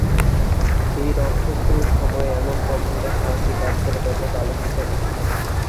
সেই রক্ষণশীল সময়ে এমন প্রচন্ড সাহসী কাজ করে ব্যাপক আলোচিত হন।